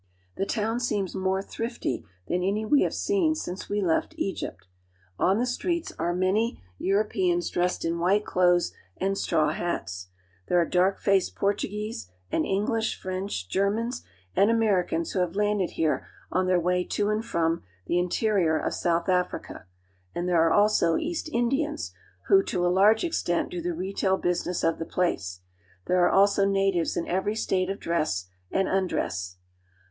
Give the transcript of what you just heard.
The town seems more thrifty than any we have seen since we left Egypt. On the streets are many Europeans dressed in white clothes and straw hats. There are dark WITH THE K)RTUGUE3E IN AFRICA 371 faced Portuguese, and English, French, Germans, and Americans who have landed here on their way to and from the interior of South Africa, and there are also East Indians, who to a large extent do the retail business of the place. There are also natives in every state of dress and undress.